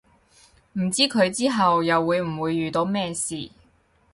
唔知佢之後又會唔會遇到咩事